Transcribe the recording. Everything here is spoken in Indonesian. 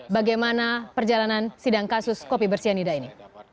bagaimana perjalanan sidang kasus kopi bersianida ini